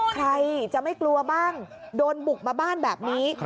ใครจะไม่กลัวบ้างโดนบุกมาบ้านแบบนี้